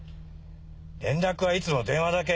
連絡はいつも電話だけ。